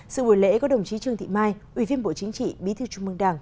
sự buổi lễ có đồng chí trương thị mai ủy viên bộ chính trị bí thư trung mương đảng